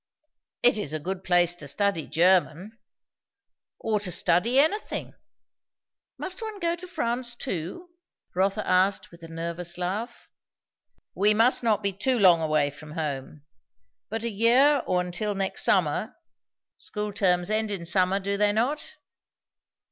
"It is a good place to study German. Or to study anything." "Must one go to France too, to study French?" Rotha asked with a nervous laugh. "We must not be too long away from home. But a year or till next summer; school terms end in summer, do they not?"